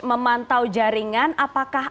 memantau jaringan apakah